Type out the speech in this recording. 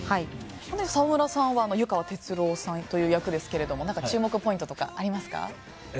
沢村さんは湯川哲郎さんという役ですが何か注目ポイントとかありますか？